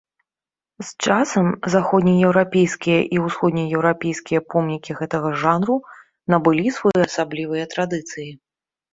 З часам, заходнееўрапейскія і ўсходнееўрапейскія помнікі гэтага жанру набылі своеасаблівыя традыцыі.